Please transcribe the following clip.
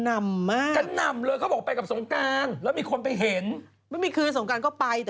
นั่งทำแบบนี้ไม่รู้เหมือนกันหรอ